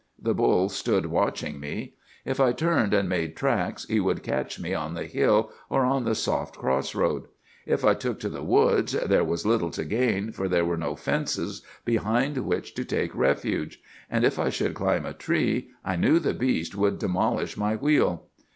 The bull stood watching me. If I turned and made tracks he would catch me on the hill or on the soft cross road. If I took to the woods there was little to gain, for there were no fences behind which to take refuge; and if I should climb a tree I knew the beast would demolish my wheel.